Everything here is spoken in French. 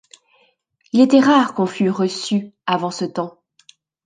Il était rare qu’on fût « reçu » avant ce temps.